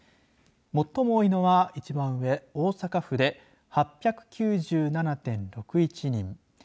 最も多いのは一番上、大阪府で８９７．６１人。